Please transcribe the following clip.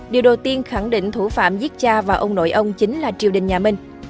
điều đầu tiên khẳng định thủ phạm giết cha và ông nội ông chính là triều đình nhà minh